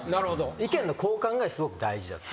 意見の交換がすごく大事だって。